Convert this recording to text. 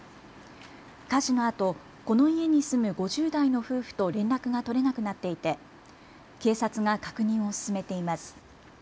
火事のあとこの家に住む５０代の夫婦と連絡が取れなくなっていて警察が確認を進めています。